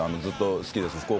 ずっと好きです。